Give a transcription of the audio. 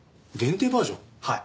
はい。